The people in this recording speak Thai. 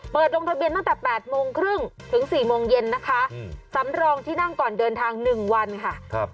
ลงทะเบียนตั้งแต่๘โมงครึ่งถึง๔โมงเย็นนะคะสำรองที่นั่งก่อนเดินทาง๑วันค่ะ